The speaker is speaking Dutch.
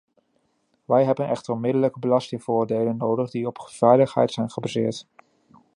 Wij hebben echter onmiddellijk belastingvoordelen nodig die op veiligheid zijn gebaseerd.